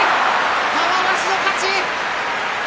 玉鷲の勝ち。